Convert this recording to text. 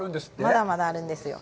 まだまだあるんですよ。